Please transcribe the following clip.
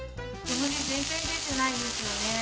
煙全然出てないですよね。